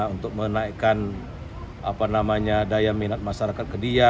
untuk menaikkan apa namanya daya minat masyarakat